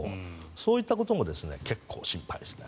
そういったことも結構、心配ですね。